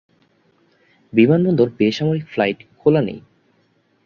বিমানবন্দর বেসামরিক ফ্লাইট খোলা নেই।